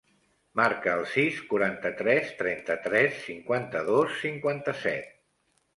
Marca el sis, quaranta-tres, trenta-tres, cinquanta-dos, cinquanta-set.